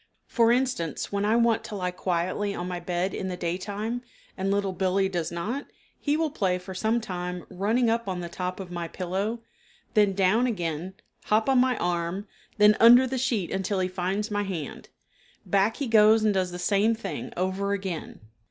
For instance, when I want to lie quietly on my bed in the day time and Little Billee does not, he will play for some time running up on the top of my pillow, then down again, hop on my arm, then under the sheet until he finds my hand; back he goes and does the same thing over again.